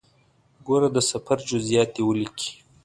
ګوره د سفر جزئیات دې ولیکې.